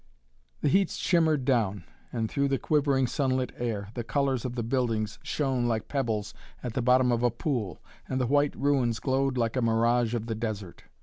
The heat shimmered down and, through the quivering sunlit air, the colors of the buildings shone like pebbles at the bottom of a pool and the white ruins glowed like a mirage of the desert.